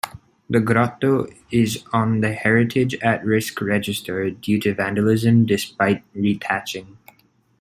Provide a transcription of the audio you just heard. The grotto is on the Heritage at Risk register due to vandalism despite re-thatching.